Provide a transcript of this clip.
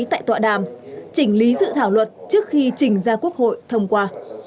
tại tọa đàm chỉnh lý dự thảo luật trước khi trình ra quốc hội thông qua